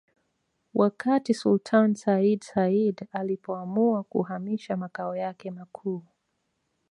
Wakati Sultani Sayyid Said alipoamua kuhamisha makao yake makuu